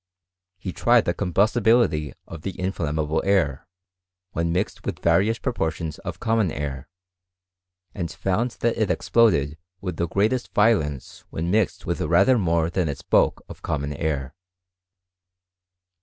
He tried the combustibility of the inflammable air, \vheii mixed with various proporlions of common air, and found that itexploded with the greatest violence when tnixed with rather more than its bulk of common air.